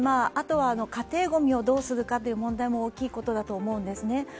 あとは家庭ごみをどうするかという問題も大きいことだと思うんですね。